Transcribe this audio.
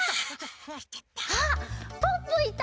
あっポッポいた！